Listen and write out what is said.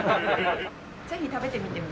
ぜひ食べてみて。